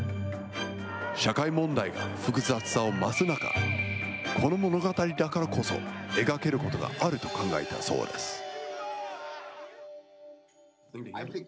社会問題が複雑さを増す中、この物語だからこそ描けることがあると考えたそうです。